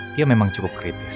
dia memang cukup kritis